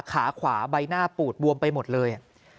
ขาขวาใบหน้าปูดบวมไปหมดเลย